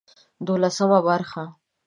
دولسمه برخه